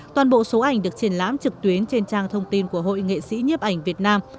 toàn bộ số ảnh được triển lãm trực tuyến trên trang thông tin của hội nghệ sĩ nhiếp ảnh việt nam